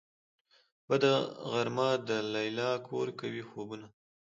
بده غرمه ده ليلا کور کوي خوبونه